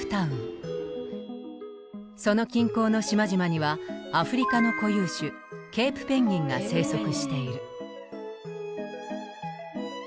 その近郊の島々にはアフリカの固有種ケープペンギンが生息している。